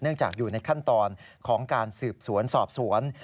จากอยู่ในขั้นตอนของการสืบสวนสอบสวน